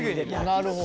なるほど！